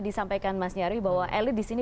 disampaikan mas nyari bahwa elit disini